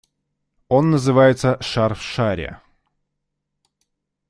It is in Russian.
Он называется «Шар в шаре».